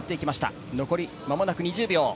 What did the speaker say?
残り間もなく２０秒。